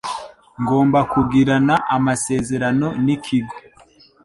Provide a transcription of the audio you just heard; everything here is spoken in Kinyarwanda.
ngomba kugirana amasezerano n’ikigo